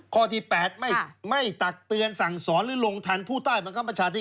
ข้อที่๘ไม่ตักเตือนสั่งสอนหรือลงทันผู้ใต้บังคับประชาธิ